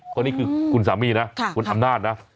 คนนี้คือคุณสามีนะคุณอำนาจนะ